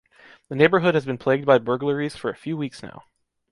The neighborhood has been plagued by burglaries for a few weeks now.